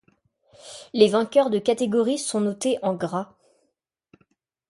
Les vainqueurs de catégorie sont notés en gras.